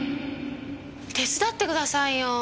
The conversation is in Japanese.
手伝ってくださいよ。